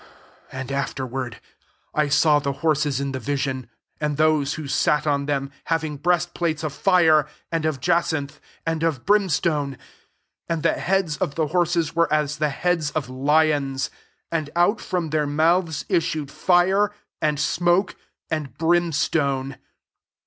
17 And afterward I saw the horses in the vision, and those who sat on them, having breast plates of fire, and of jacinth, and of brim stone: and the heads of the horses vfere as the heads of lions; and out from their mouths issued fire, and smoke, and brimstone.